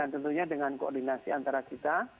tentunya dengan koordinasi antara kita